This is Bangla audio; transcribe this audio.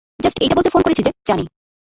জাস্ট এইটা বলতে ফোন করেছি যে, জানি।